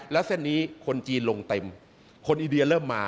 แล้วเส้นนี้คนจีนลงเต็มคนอินเดียเริ่มมา